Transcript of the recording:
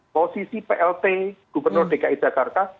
posisi plt gubernur dki jakarta